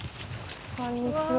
こんにちは。